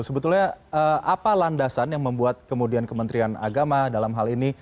sebetulnya apa landasan yang membuat kemudian kementerian agama dalam hal ini